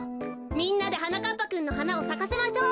みんなではなかっぱくんのはなをさかせましょう！